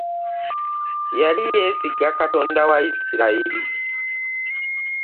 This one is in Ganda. Yali yesiga Katonda wa Yisirayari .